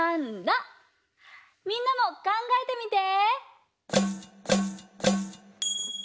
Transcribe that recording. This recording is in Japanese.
みんなもかんがえてみて！